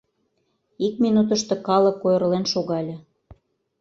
Ик минутышто калык ойырлен шогале.